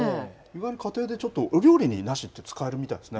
家庭でお料理に梨って使えるみたいですね。